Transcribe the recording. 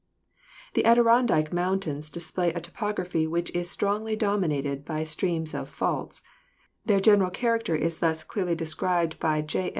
The Adirondack Mountains display a topography which is strongly dominated by systems of faults; their general character is thus clearly described by J.